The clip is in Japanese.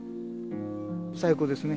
最高ですね。